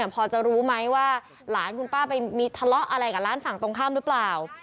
พอจะรู้ไหมว่าหลานคุณป้าไปมีทะเลาะอะไรกับร้านฝั่งตรงข้ามหรือเปล่า